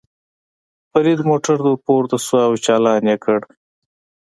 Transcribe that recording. فرید موټر ته ور پورته شو او چالان یې کړ.